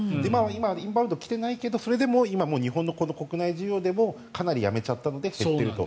今、インバウンド来てないけどそれでも今、日本の国内需要でもかなり辞めちゃったので減っていると。